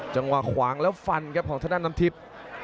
จังหวางแล้วฟันของดาดานน้ำทิพย์